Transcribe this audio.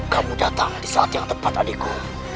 kamu datang di saat yang tepat adikku